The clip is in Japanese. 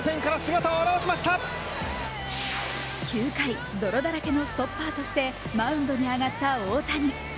９回、泥だらけのストッパーとしてマウンドに上がった大谷。